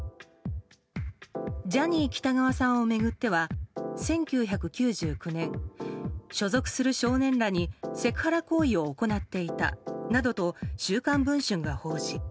ジャニー喜多川さんを巡っては１９９９年所属する少年らにセクハラ行為を行っていたと「週刊文春」が報じ